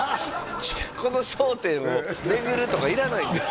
この商店を巡るとかいらないんです